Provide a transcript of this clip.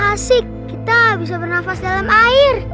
asik kita bisa bernafas dalam air